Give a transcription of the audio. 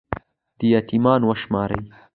دا يـتـيـمـان وشمارئ